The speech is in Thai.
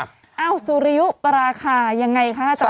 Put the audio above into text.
สุริยุประราคายังไงคะ